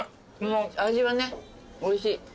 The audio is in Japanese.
味はねおいしい。